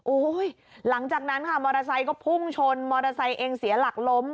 โอ้โหหลังจากนั้นค่ะมอเตอร์ไซค์ก็พุ่งชนมอเตอร์ไซค์เองเสียหลักล้ม